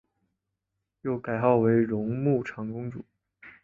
又改号为雍穆长公主。